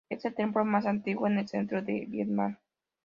Es el templo más antiguo en el centro de Vietnam.